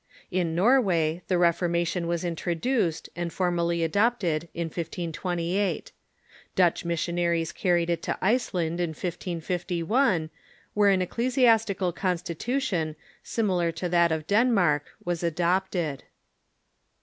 In Norway the Reformation was introduced, and formally adopted in 1528. Danish missionai'ies carried it to Iceland in 1551, where an ecclesiastical constitution, similar to that of Denmark, was adopted.